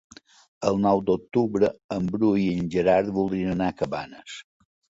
El nou d'octubre en Bru i en Gerard voldrien anar a Cabanes.